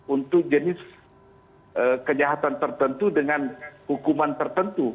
untuk jenis kejahatan tertentu dengan hukuman tertentu